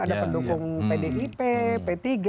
ada pendukung pdip p tiga